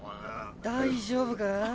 大丈夫か？